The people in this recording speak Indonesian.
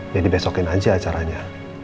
ya dibesokin aja acaranya